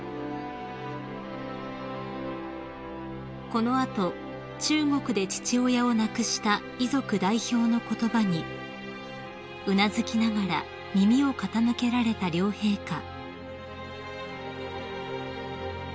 ［この後中国で父親を亡くした遺族代表の言葉にうなずきながら耳を傾けられた両陛下］